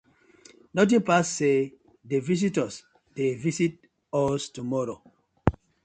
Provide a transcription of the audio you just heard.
Notin pass say dek visitors dey visit us tomorrow,